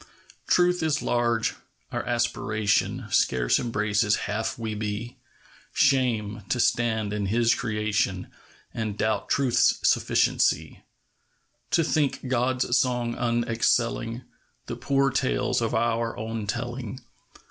Truth is large. Our aspiration Scarce embraces half we be. Shame ! to stand in His creation And doubt Truth's sufficiency! To think God's song unexcelling The poor tales of our own telling.